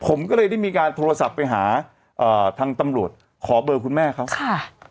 ผมก็เลยได้มีการโทรศัพท์ไปหาอ่าทางตำรวจขอเบอร์คุณแม่เขาค่ะ